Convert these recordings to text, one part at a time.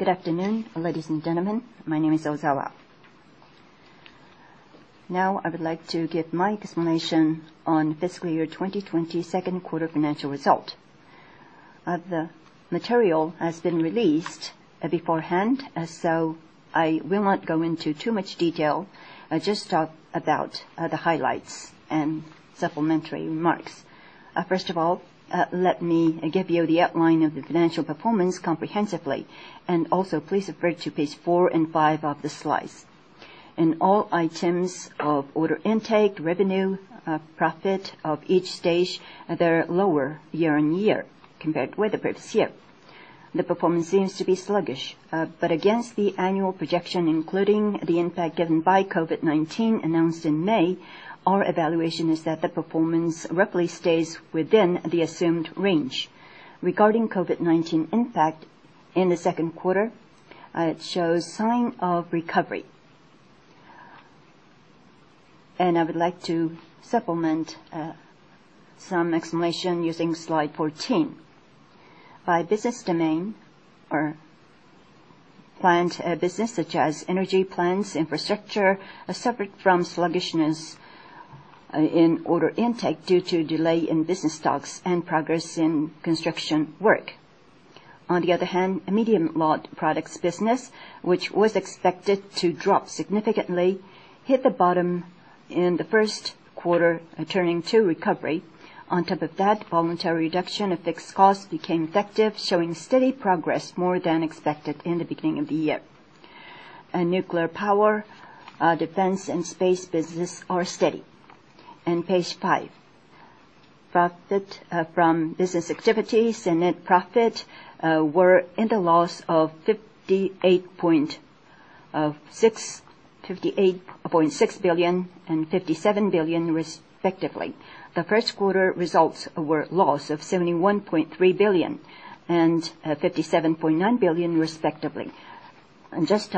Good afternoon, ladies and gentlemen. My name is Kozawa. Now I would like to give my explanation on fiscal year 2020 second quarter financial result. The material has been released beforehand, so I will not go into too much detail. I just talk about the highlights and supplementary remarks. First of all, let me give you the outline of the financial performance comprehensively, and also please refer to page four and five of the slides. In all items of order intake, revenue, profit of each stage, they're lower year-on-year compared with the previous year. The performance seems to be sluggish. Against the annual projection, including the impact given by COVID-19 announced in May, our evaluation is that the performance roughly stays within the assumed range. Regarding COVID-19 impact in the second quarter, it shows sign of recovery. I would like to supplement some explanation using slide 14. By business domain or plant business, such as energy plants, infrastructure, separate from sluggishness in order intake due to delay in business talks and progress in construction work. On the other hand, medium lot products business, which was expected to drop significantly, hit the bottom in the first quarter, turning to recovery. On top of that, voluntary reduction of fixed costs became effective, showing steady progress, more than expected in the beginning of the year. Nuclear power, defense, and space business are steady. Page five. Profit from business activities and net profit were in the loss of 58.6 billion and 37 billion, respectively. The first quarter results were a loss of 71.3 billion and 57.9 billion, respectively. Just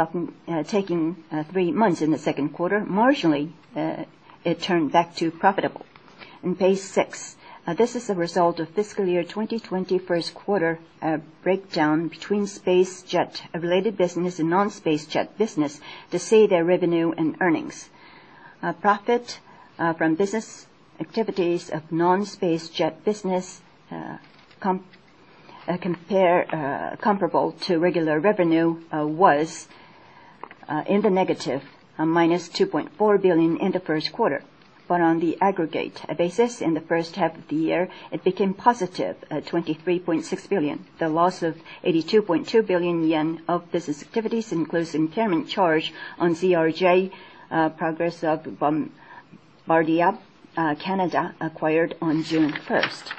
taking three months in the second quarter, marginally, it turned back to profitable. In page six, this is the result of fiscal year 2020 first quarter breakdown between SpaceJet-related business and non-SpaceJet business to see their revenue and earnings. Profit from business activities of non-SpaceJet business comparable to regular revenue was in the negative, -2.4 billion in the first quarter. On the aggregate basis in the first half of the year, it became positive at 23.6 billion. The loss of 82.2 billion yen of business activities includes impairment charge on CRJ program of Bombardier Inc. acquired on June 1st.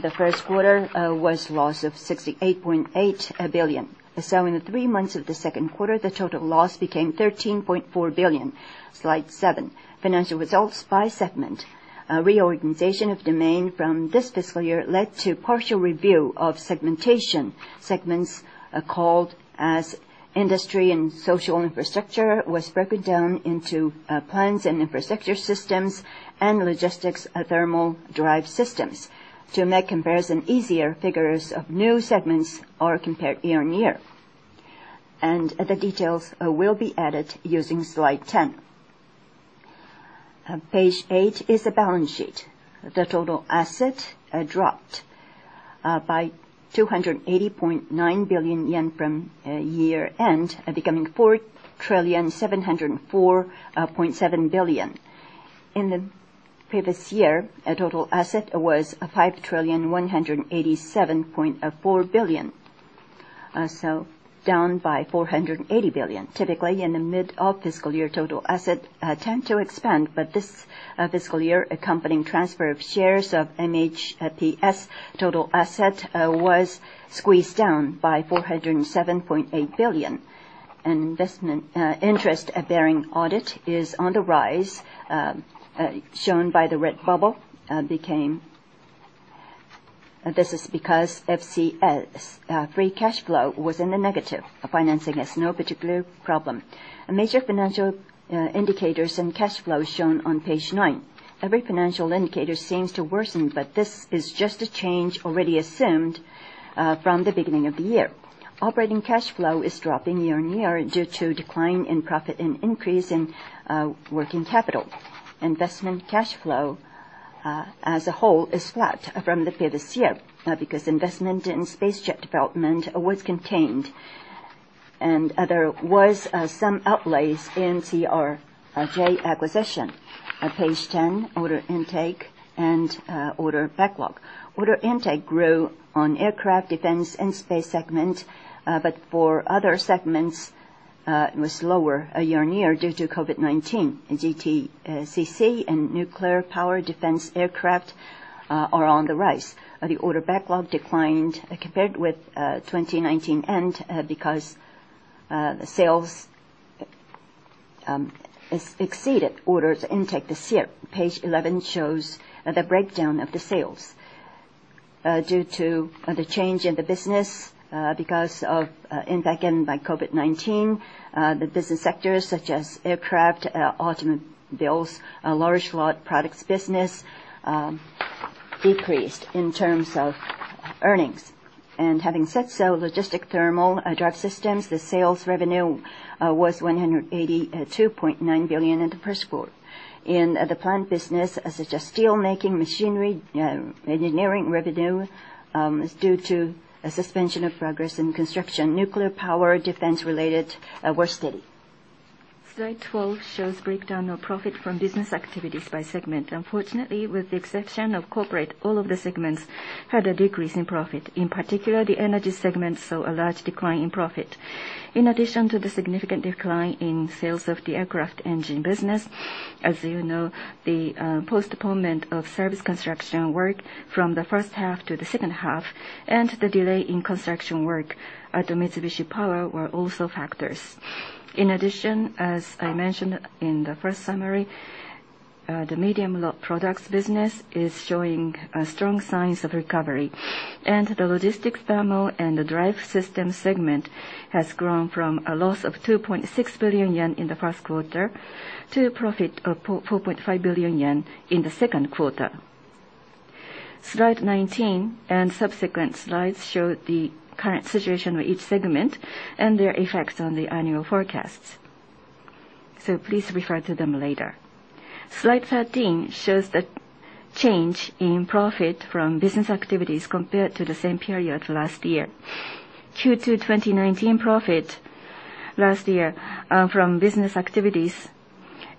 The first quarter was a loss of 68.8 billion. In the three months of the second quarter, the total loss became 13.4 billion. Slide seven, financial results by segment. Reorganization of domain from this fiscal year led to partial review of segmentation. Segments called as industry and social infrastructure was broken down into Plants & Infrastructure Systems and Logistics, Thermal & Drive Systems. To make comparison easier, figures of new segments are compared year-on-year. The details will be added using slide 10. Page eight is the balance sheet. The total asset dropped by 280.9 billion yen from year-end, becoming 4.7047 trillion. In the previous year, total asset was 5.1874 trillion. Down by 480 billion. Typically, in the mid of fiscal year, total asset tend to expand, but this fiscal year, accompanying transfer of shares of MHPS, total asset was squeezed down by 407.8 billion. Investment interest-bearing debt is on the rise, shown by the red bubble. This is because FCF, free cash flow, was in the negative. Financing has no particular problem. Major financial indicators and cash flows shown on page nine. Every financial indicator seems to worsen, this is just a change already assumed from the beginning of the year. Operating cash flow is dropping year-on-year due to decline in profit and increase in working capital. Investment cash flow as a whole is flat from the previous year because investment in SpaceJet development was contained, and there was some outlays in CRJ acquisition. At page 10, order intake and order backlog. Order intake grew on Aircraft, Defense & Space segment. For other segments, it was lower year-on-year due to COVID-19. GTCC and nuclear power defense aircraft are on the rise. The order backlog declined compared with 2019-end because sales exceeded orders intake this year. Page 11 shows the breakdown of the sales. Due to the change in the business because of impact given by COVID-19, the business sectors such as aircraft, automobiles, large lot products business decreased in terms of earnings. Having said so, Logistics, Thermal & Drive Systems, the sales revenue was 182.9 billion in the first quarter. In the plant business, such as steelmaking machinery, engineering revenue is due to a suspension of progress in construction. Nuclear power, defense-related, were steady. Slide 12 shows breakdown of profit from business activities by segment. Unfortunately, with the exception of corporate, all of the segments had a decrease in profit. In particular, the energy segment saw a large decline in profit. In addition to the significant decline in sales of the aircraft engine business, as you know, the postponement of service construction work from the first half to the second half, and the delay in construction work at Mitsubishi Power were also factors. The medium products business is showing strong signs of recovery. The Logistics, Thermal & Drive Systems segment has grown from a loss of 2.6 billion yen in the first quarter to a profit of 4.5 billion yen in the second quarter. Slide 19 and subsequent slides show the current situation of each segment and their effects on the annual forecasts. Please refer to them later. Slide 13 shows the change in profit from business activities compared to the same period last year. Q2 2019 profit last year from business activities,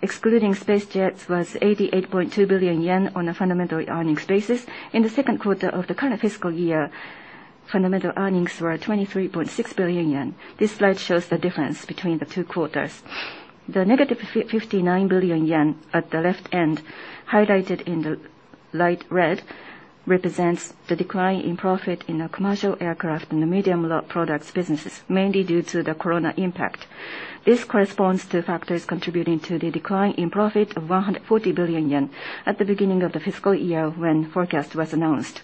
excluding SpaceJet, was 88.2 billion yen on a fundamental earnings basis. In the second quarter of the current fiscal year, fundamental earnings were 23.6 billion yen. This slide shows the difference between the two quarters. The -59 billion yen at the left end, highlighted in the light red, represents the decline in profit in the commercial aircraft and the medium products businesses, mainly due to the COVID-19 impact. This corresponds to factors contributing to the decline in profit of 140 billion yen at the beginning of the fiscal year, when forecast was announced.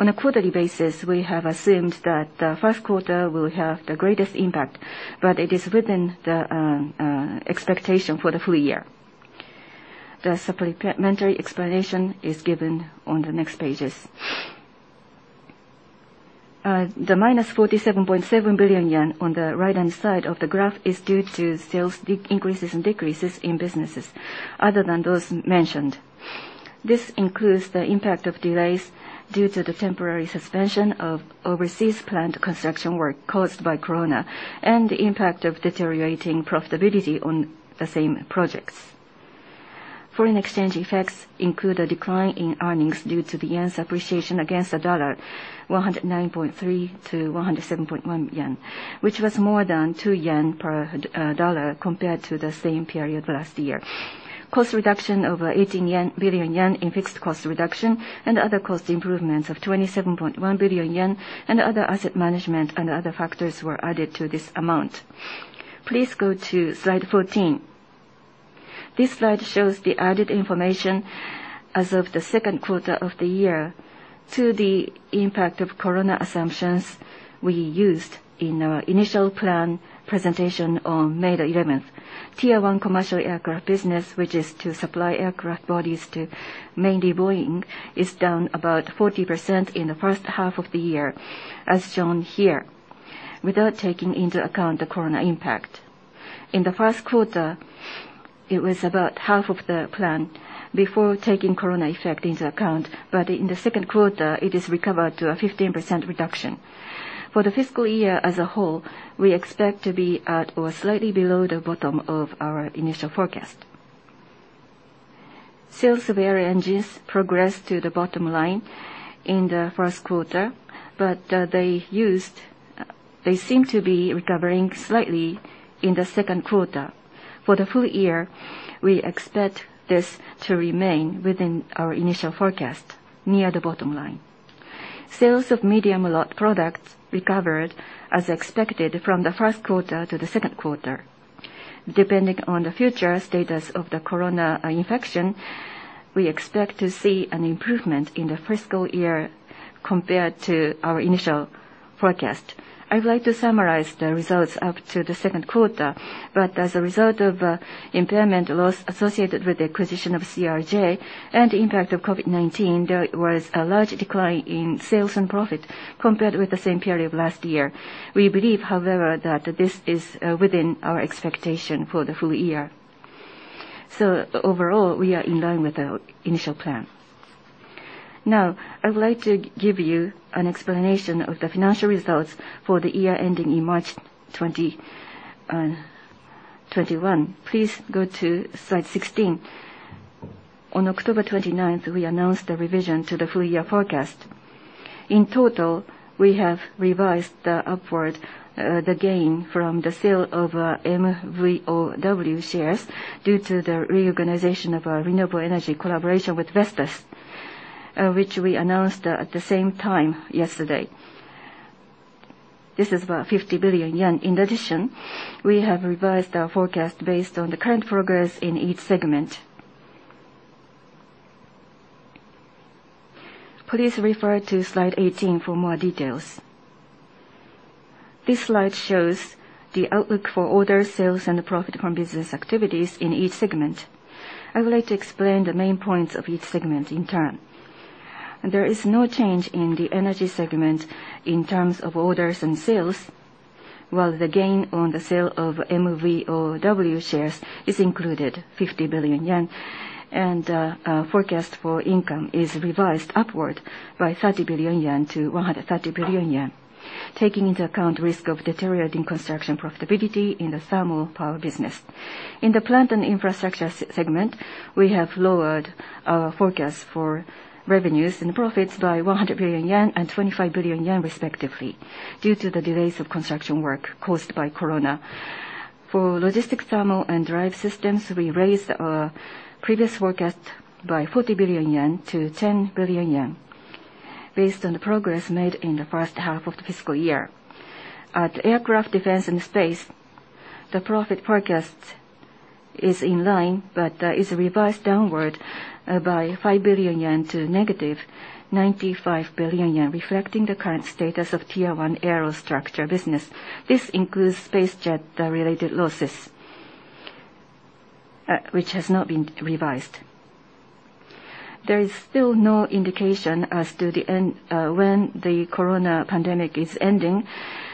On a quarterly basis, we have assumed that the first quarter will have the greatest impact, but it is within the expectation for the full year. The supplementary explanation is given on the next pages. The -47.7 billion yen on the right-hand side of the graph is due to sales increases and decreases in businesses other than those mentioned. This includes the impact of delays due to the temporary suspension of overseas plant construction work caused by COVID-19 and the impact of deteriorating profitability on the same projects. Foreign exchange effects include a decline in earnings due to the yen's appreciation against the dollar, 109.3-107.1 yen, which was more than 2 yen per dollar compared to the same period last year. Cost reduction of 18 billion yen in fixed cost reduction and other cost improvements of 27.1 billion yen and other asset management and other factors were added to this amount. Please go to slide 14. This slide shows the added information as of the second quarter of the year to the impact of COVID-19 assumptions we used in our initial plan presentation on May 11. Tier one commercial aircraft business, which is to supply aircraft bodies to mainly Boeing, is down about 40% in the first half of the year, as shown here, without taking into account the COVID-19 impact. In the first quarter, it was about half of the plan before taking COVID-19 effect into account, in the second quarter, it has recovered to a 15% reduction. For the fiscal year as a whole, we expect to be at or slightly below the bottom of our initial forecast. Sales of our engines progressed to the bottom line in the first quarter, they seem to be recovering slightly in the second quarter. For the full year, we expect this to remain within our initial forecast, near the bottom line. Sales of medium products recovered as expected from the first quarter to the second quarter. Depending on the future status of the corona infection, we expect to see an improvement in the fiscal year compared to our initial forecast. I would like to summarize the results up to the second quarter, but as a result of impairment loss associated with the acquisition of CRJ and the impact of COVID-19, there was a large decline in sales and profit compared with the same period last year. We believe, however, that this is within our expectation for the full year. Overall, we are in line with our initial plan. Now, I would like to give you an explanation of the financial results for the year ending in March 2021. Please go to slide 16. On October 29th, we announced a revision to the full year forecast. In total, we have revised upward the gain from the sale of MVOW shares due to the reorganization of our renewable energy collaboration with Vestas, which we announced at the same time yesterday. This is about 50 billion yen. In addition, we have revised our forecast based on the current progress in each segment. Please refer to slide 18 for more details. This slide shows the outlook for orders, sales, and profit from business activities in each segment. I would like to explain the main points of each segment in turn. There is no change in the energy segment in terms of orders and sales, while the gain on the sale of MVOW shares is included, 50 billion yen. The forecast for income is revised upward by 30 billion yen to 130 billion yen, taking into account risk of deteriorating construction profitability in the thermal power business. In the Plants & Infrastructure Systems segment, we have lowered our forecast for revenues and profits by 100 billion yen and 25 billion yen respectively, due to the delays of construction work caused by COVID-19. For Logistics, Thermal & Drive Systems, we raised our previous forecast by 40 billion yen to 10 billion yen based on the progress made in the first half of the fiscal year. At Aircraft, Defense & Space, the profit forecast is in line, but is revised downward by 5 billion yen to -95 billion yen, reflecting the current status of Tier one aerostructure business. This includes SpaceJet-related losses, which has not been revised. There is still no indication as to when the corona pandemic is ending,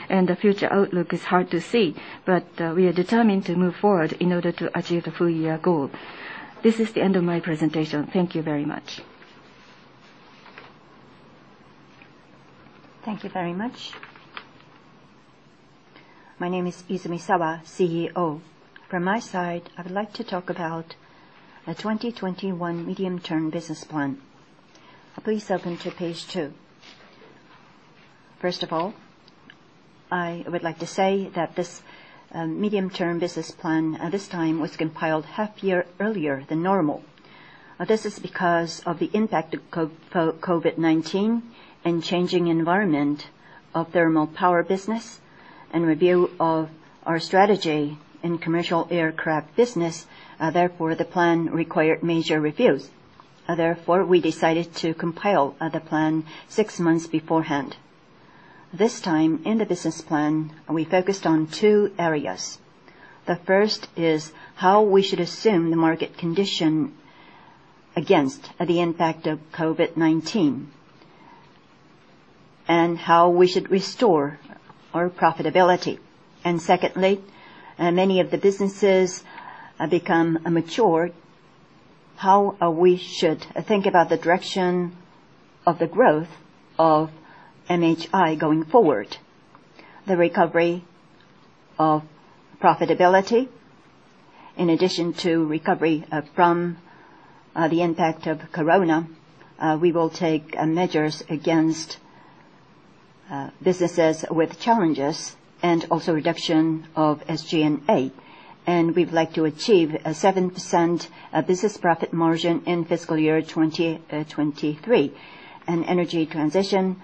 and the future outlook is hard to see. We are determined to move forward in order to achieve the full-year goal. This is the end of my presentation. Thank you very much. Thank you very much. My name is Seiji Izumisawa, CEO. From my side, I would like to talk about our 2021 Medium-Term Business Plan. Please open to page two. First of all, I would like to say that this Medium-Term Business Plan, at this time, was compiled half a year earlier than normal. This is because of the impact of COVID-19 and changing environment of thermal power business, and review of our strategy in commercial aircraft business. The plan required major reviews. We decided to compile the plan six months beforehand. This time, in the business plan, we focused on two areas. The first is how we should assume the market condition against the impact of COVID-19, and how we should restore our profitability. Secondly, many of the businesses become mature. How we should think about the direction of the growth of MHI going forward. The recovery of profitability, in addition to recovery from the impact of COVID-19, we will take measures against businesses with challenges, reduction of SG&A. We would like to achieve a 7% business profit margin in fiscal year 2023. Energy transition,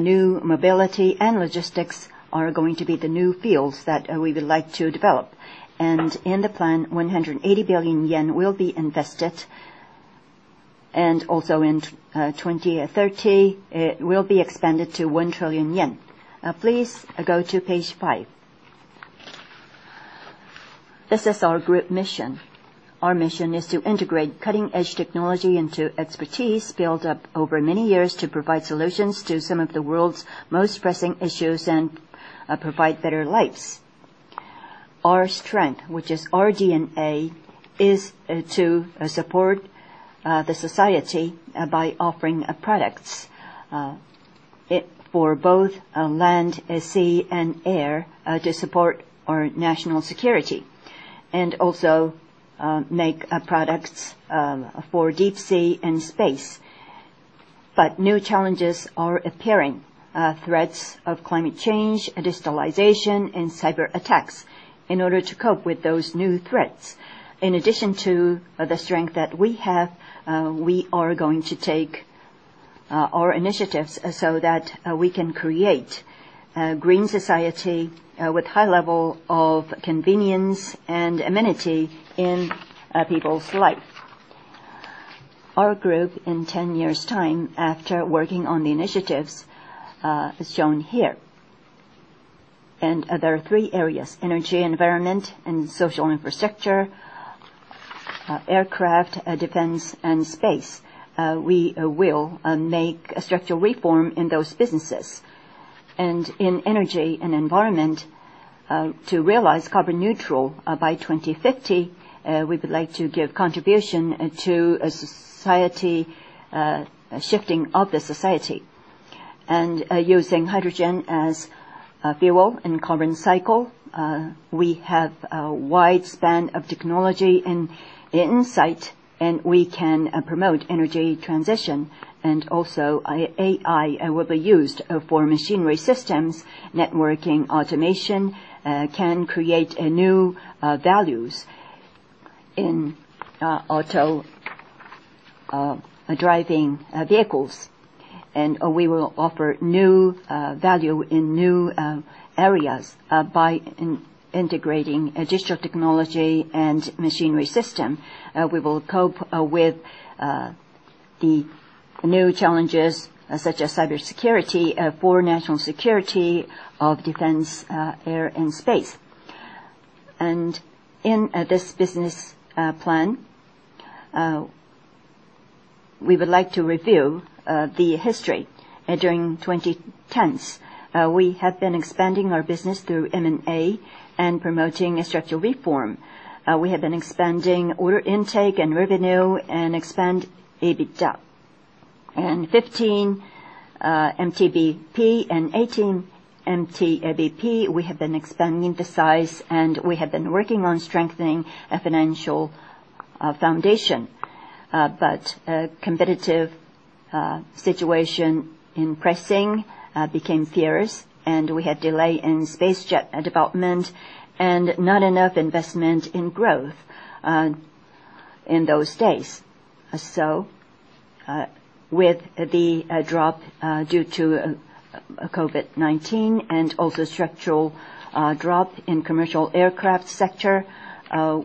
new mobility and logistics are going to be the new fields that we would like to develop. In the plan, 180 billion yen will be invested. In 2030, it will be expanded to 1 trillion yen. Please go to page five. This is our group mission. Our mission is to integrate cutting-edge technology into expertise built up over many years to provide solutions to some of the world's most pressing issues and provide better lives. Our strength, which is our DNA, is to support the society by offering products for both land, sea, and air to support our national security. Also make products for deep sea and space. New challenges are appearing. Threats of climate change, digitalization, and cyberattacks. In order to cope with those new threats, in addition to the strength that we have, we are going to take our initiatives so that we can create a green society with a high level of convenience and amenity in people's life. Our group, in 10 years' time, after working on the initiatives, is shown here. There are three areas: Energy, Environment, and Social Infrastructure, Aircraft, Defense & Space. We will make a structural reform in those businesses. In energy and environment, to realize carbon neutral by 2050, we would like to give contribution to a shifting of the society. Using hydrogen as a fuel in carbon cycle, we have a wide span of technology and insight, and we can promote energy transition. Also, AI will be used for machinery systems. Networking automation can create new values in auto-driving vehicles. We will offer new value in new areas by integrating digital technology and machinery system. We will cope with the new challenges, such as cybersecurity for national security of defense, air, and space. In this business plan, we would like to review the history during 2010s. We have been expanding our business through M&A and promoting a structural reform. We have been expanding order intake and revenue and expand EBITDA. In 2015 MTBP and 2018 MTBP, we have been expanding the size, and we have been working on strengthening a financial foundation. Competitive situation in pricing became fierce, and we had delay in SpaceJet development and not enough investment in growth in those days. With the drop due to COVID-19 and also structural drop in commercial aircraft sector,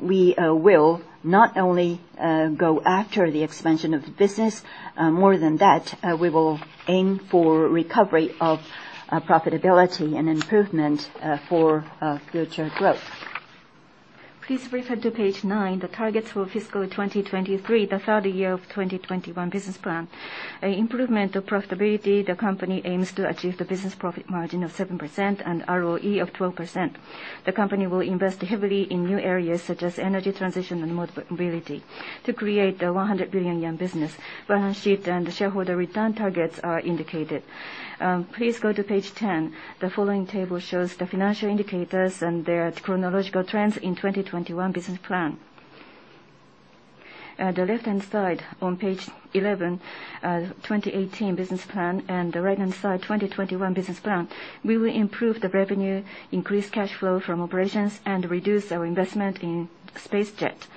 we will not only go after the expansion of the business. More than that, we will aim for recovery of profitability and improvement for future growth. Please refer to page nine, the targets for fiscal 2023, the third year of 2021 business plan. Improvement of profitability, the company aims to achieve the business profit margin of 7% and ROE of 12%. The company will invest heavily in new areas such as energy transition and mobility to create the 100 billion yen business. Balance sheet and shareholder return targets are indicated. Please go to page 10. The following table shows the financial indicators and their chronological trends in 2021 business plan. The left-hand side on page 11, 2018 business plan, and the right-hand side, 2021 business plan. We will improve the revenue, increase cash flow from operations, and reduce our investment in SpaceJet.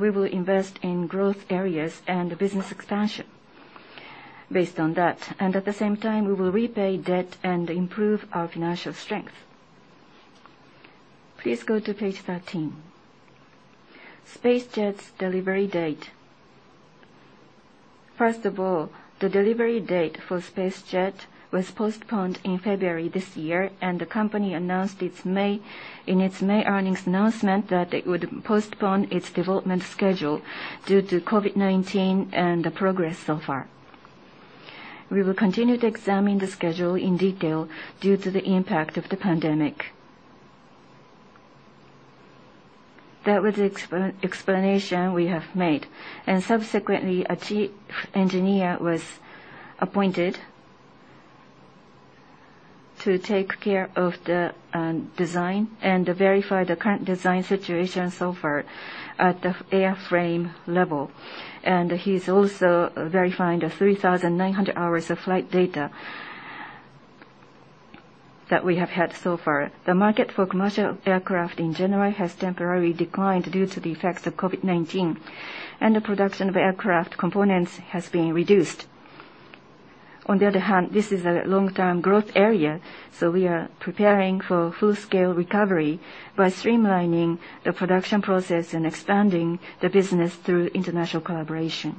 We will invest in growth areas and business expansion based on that. At the same time, we will repay debt and improve our financial strength. Please go to page 13. SpaceJet's delivery date. First of all, the delivery date for SpaceJet was postponed in February this year, and the company announced in its May earnings announcement that it would postpone its development schedule due to COVID-19 and the progress so far. We will continue to examine the schedule in detail due to the impact of the pandemic. That was the explanation we have made. Subsequently, a chief engineer was appointed to take care of the design and verify the current design situation so far at the airframe level. He's also verifying the 3,900 hours of flight data that we have had so far. The market for commercial aircraft in general has temporarily declined due to the effects of COVID-19, and the production of aircraft components has been reduced. On the other hand, this is a long-term growth area, so we are preparing for full-scale recovery by streamlining the production process and expanding the business through international collaboration.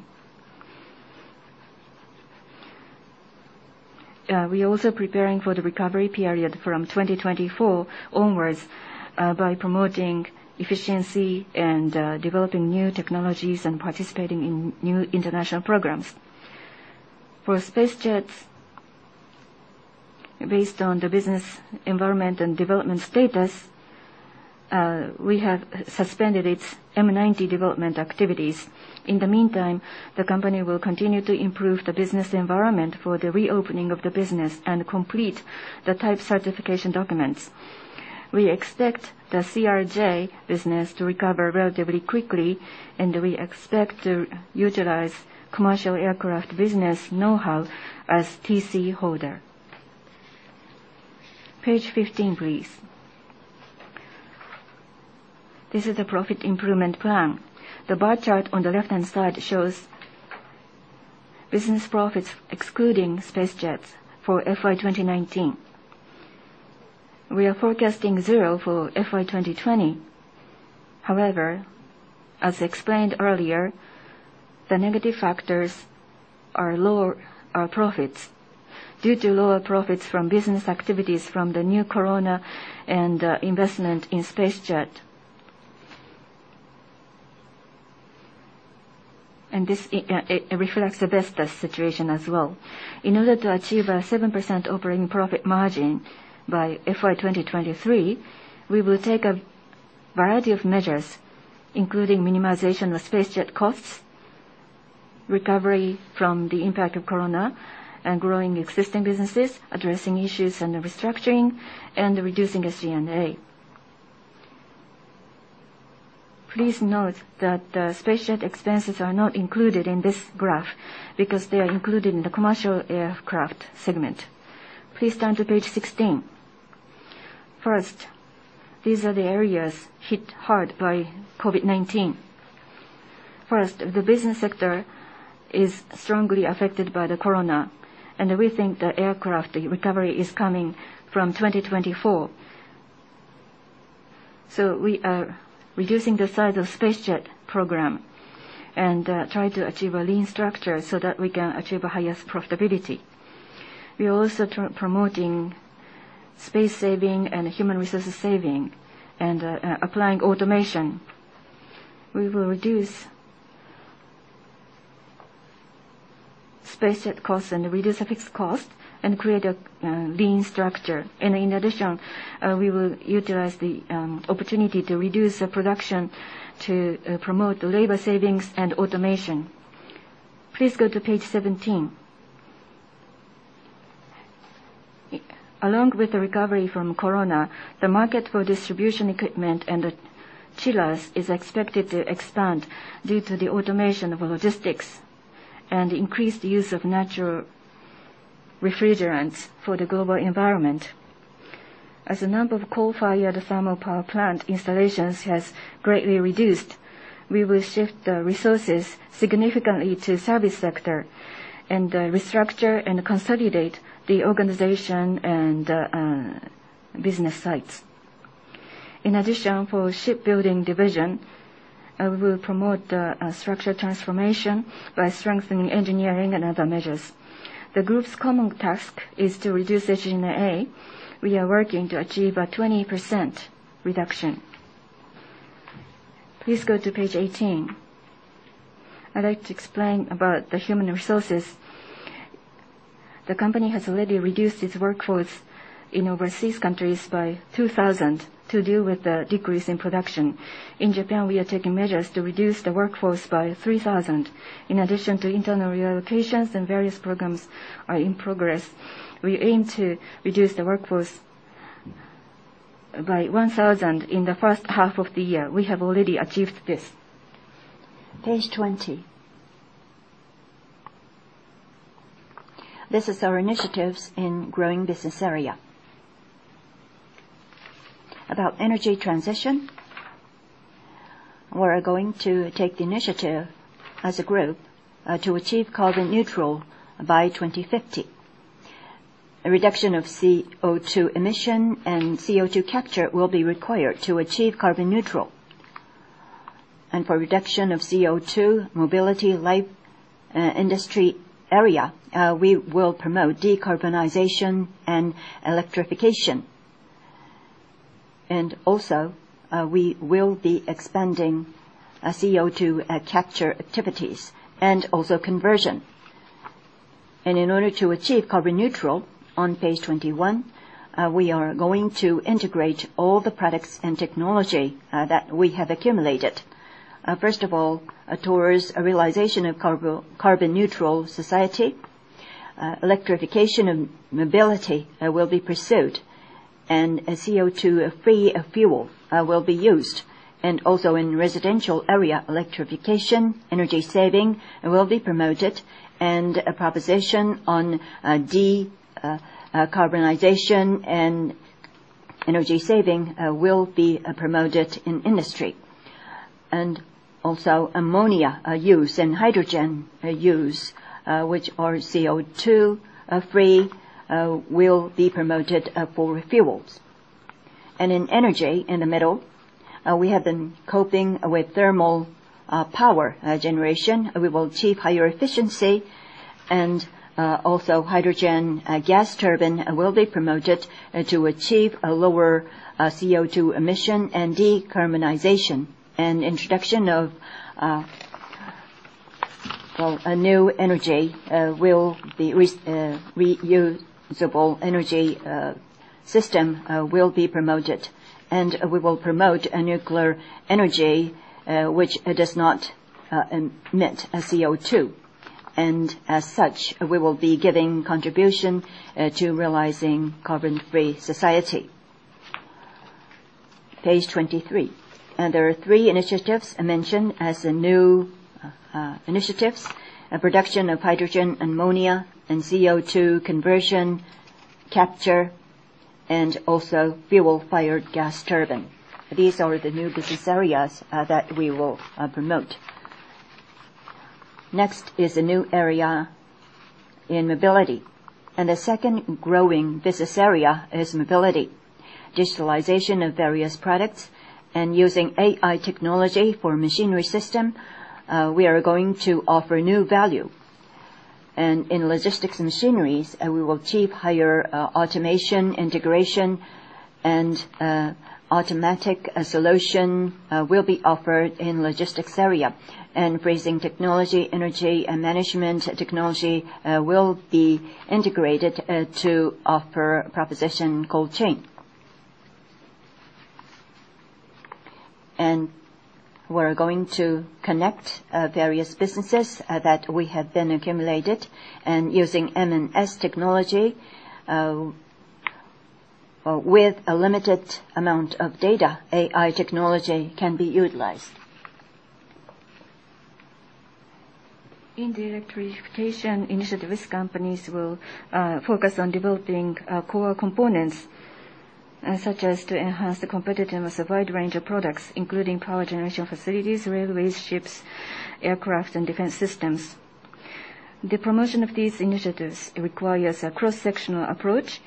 We are also preparing for the recovery period from 2024 onwards by promoting efficiency and developing new technologies and participating in new international programs. For SpaceJet, based on the business environment and development status, we have suspended its M90 development activities. In the meantime, the company will continue to improve the business environment for the reopening of the business and complete the type certification documents. We expect the CRJ business to recover relatively quickly, we expect to utilize commercial aircraft business know-how as TC holder. Page 15, please. This is the profit improvement plan. The bar chart on the left-hand side shows business profits excluding SpaceJet for FY 2019. We are forecasting zero for FY 2020. As explained earlier, the negative factors are profits due to lower profits from business activities from the new COVID-19 and investment in SpaceJet. This reflects the Vestas situation as well. In order to achieve a 7% operating profit margin by FY 2023, we will take a variety of measures, including minimization of SpaceJet costs, recovery from the impact of COVID-19, and growing existing businesses, addressing issues and restructuring, and reducing SG&A. Please note that the SpaceJet expenses are not included in this graph because they are included in the commercial aircraft segment. Please turn to page 16. These are the areas hit hard by COVID-19. The business sector is strongly affected by the corona, and we think the aircraft recovery is coming from 2024. We are reducing the size of SpaceJet program and try to achieve a lean structure so that we can achieve highest profitability. We are also promoting space saving and human resources saving, and applying automation. We will reduce space costs and reduce fixed costs, and create a lean structure. In addition, we will utilize the opportunity to reduce production to promote labor savings and automation. Please go to page 17. Along with the recovery from COVID-19, the market for distribution equipment and chillers is expected to expand due to the automation of logistics and increased use of natural refrigerants for the global environment. As the number of coal-fired thermal power plant installations has greatly reduced, we will shift the resources significantly to service sector and restructure and consolidate the organization and business sites. In addition, for shipbuilding division, we will promote the structural transformation by strengthening engineering and other measures. The group's common task is to reduce HNA. We are working to achieve a 20% reduction. Please go to page 18. I'd like to explain about the human resources. The company has already reduced its workforce in overseas countries by 2,000 to deal with the decrease in production. In Japan, we are taking measures to reduce the workforce by 3,000. In addition to internal relocations, various programs are in progress. We aim to reduce the workforce by 1,000 in the first half of the year. We have already achieved this. Page 20. This is our initiatives in growing business area. About energy transition, we're going to take the initiative as a group to achieve carbon neutral by 2050. A reduction of CO2 emission and CO2 capture will be required to achieve carbon neutral. For reduction of CO2, mobility, light industry area, we will promote decarbonization and electrification. Also, we will be expanding CO2 capture activities and also conversion. In order to achieve carbon neutral, on page 21, we are going to integrate all the products and technology that we have accumulated. First of all, towards a realization of carbon neutral society, electrification of mobility will be pursued and a CO2-free fuel will be used. Also in residential area, electrification, energy saving will be promoted, and a proposition on decarbonization and energy saving will be promoted in industry. Also ammonia use and hydrogen use, which are CO2-free, will be promoted for fuels. In energy, in the middle, we have been coping with thermal power generation. We will achieve higher efficiency and also hydrogen gas turbine will be promoted to achieve a lower CO2 emission and decarbonization. Introduction of a new energy, reusable energy system, will be promoted. We will promote a nuclear energy which does not emit CO2. As such, we will be giving contribution to realizing carbon-free society. Page 23. There are three initiatives mentioned as the new initiatives. Production of hydrogen, ammonia, and CO2 conversion, capture, and also fuel-fired gas turbine. These are the new business areas that we will promote. Next is a new area in mobility. The second growing business area is mobility. Digitalization of various products and using AI technology for machinery system, we are going to offer new value. In logistics and machineries, we will achieve higher automation integration, and automatic solution will be offered in logistics area. Embracing technology, energy, and management technology will be integrated to offer proposition cold chain. We're going to connect various businesses that we have been accumulated and using M&S technology. With a limited amount of data, AI technology can be utilized. In the electrification initiative, risk companies will focus on developing core components, such as to enhance the competitiveness of wide range of products, including power generation facilities, railways, ships, aircraft, and defense systems. The promotion of these initiatives requires a cross-sectional approach,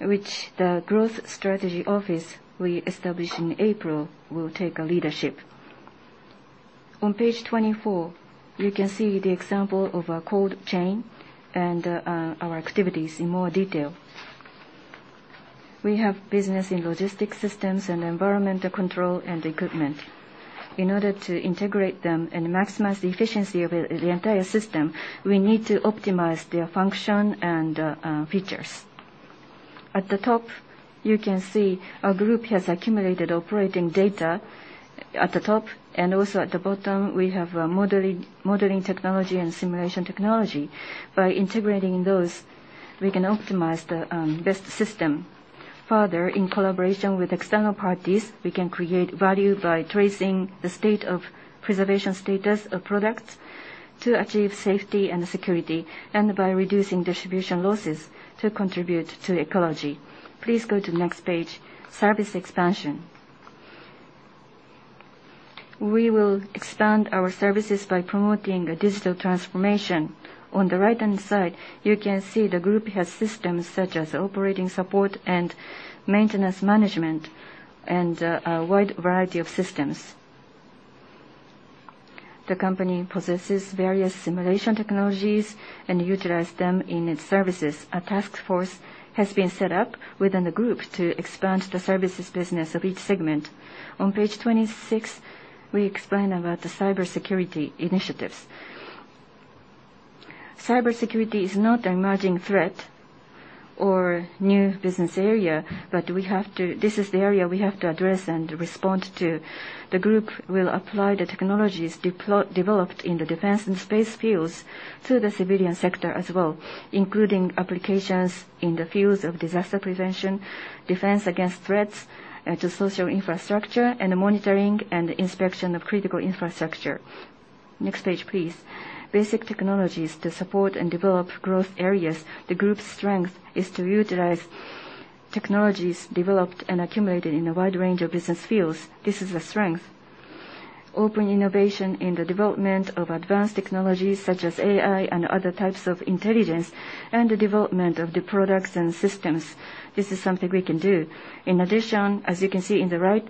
which the growth strategy office we established in April will take leadership. On page 24, you can see the example of a cold chain and our activities in more detail. We have business in logistic systems and environmental control and equipment. In order to integrate them and maximize the efficiency of the entire system, we need to optimize their function and features. At the top, you can see our group has accumulated operating data. At the top and also at the bottom, we have modeling technology and simulation technology. By integrating those, we can optimize the best system. Further, in collaboration with external parties, we can create value by tracing the state of preservation status of products to achieve safety and security, and by reducing distribution losses to contribute to ecology. Please go to next page. Service expansion. We will expand our services by promoting a digital transformation. On the right-hand side, you can see the group has systems such as operating support and maintenance management, and a wide variety of systems. The company possesses various simulation technologies and utilize them in its services. A task force has been set up within the group to expand the services business of each segment. On page 26, we explain about the cybersecurity initiatives. Cybersecurity is not an emerging threat or new business area, but this is the area we have to address and respond to. The group will apply the technologies developed in the defense and space fields to the civilian sector as well, including applications in the fields of disaster prevention, defense against threats to social infrastructure, and the monitoring and inspection of critical infrastructure. Next page, please. Basic technologies to support and develop growth areas. The group's strength is to utilize technologies developed and accumulated in a wide range of business fields. This is a strength. Open innovation in the development of advanced technologies such as AI and other types of intelligence, and the development of the products and systems. This is something we can do. As you can see in the right,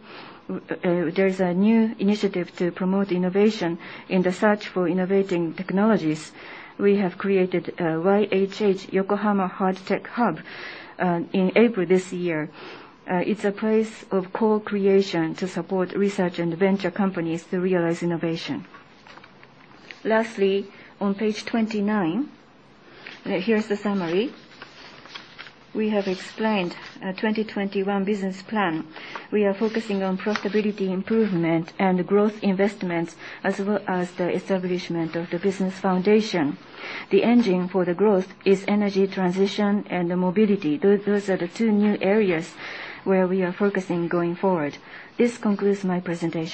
there is a new initiative to promote innovation in the search for innovating technologies. We have created a YHH, Yokohama Hardtech Hub, in April this year. It's a place of co-creation to support research and venture companies to realize innovation. Lastly, on page 29, here is the summary. We have explained our 2021 business plan. We are focusing on profitability improvement and growth investments as well as the establishment of the business foundation. The engine for the growth is energy transition and mobility. Those are the two new areas where we are focusing going forward. This concludes my presentation.